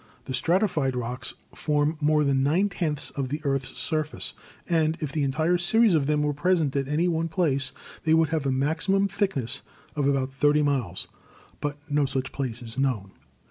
The stratified rocks form more than nine tenths of the earth's surface, and if the entire series of them were present at any one place they would have a maximum thickness of about thirty miles; but no such place is known.